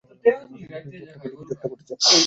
কিছু একটা ঘটছে।